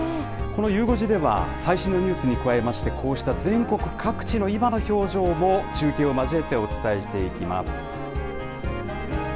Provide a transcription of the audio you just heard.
このゆう５時では、最新のニュースに加えまして、こうした全国各地の今の表情も、中継を交えてお伝えしていきます。